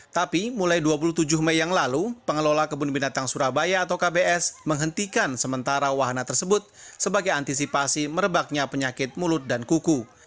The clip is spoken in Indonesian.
tapi mulai dua puluh tujuh mei yang lalu pengelola kebun binatang surabaya atau kbs menghentikan sementara wahana tersebut sebagai antisipasi merebaknya penyakit mulut dan kuku